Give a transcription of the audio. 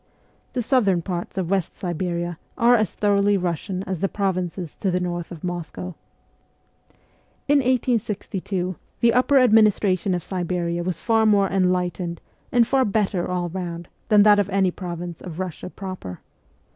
The southern parts of West Siberia are as thoroughly Russian as the provinces to the north of Moscow. In 1862 the upper administration of Siberia was far more enlightened and far better all round than that of any province of Russia proper.